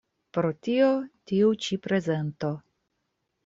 Pro tio tiu ĉi prezento.